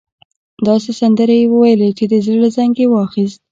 داسې سندرې يې وويلې چې د زړه زنګ يې واخيست.